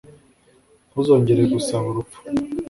ntuzongere gusaba urupfu.